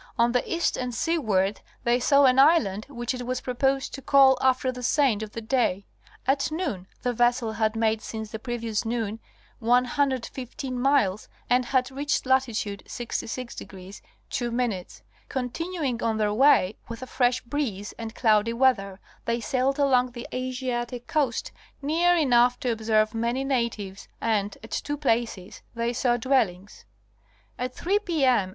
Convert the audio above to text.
On the east and seaward they saw an island, which it was proposed to call after the saint of the day. At noon the vessel had made since the previous noon 115 miles and had reached lati tude 66° 02'. Continuing on their way, with a fresh breeze and cloudy weather, they sailed along the Asiatic coast near enough to observe many natives and at two places they saw dwellings. At three p. m.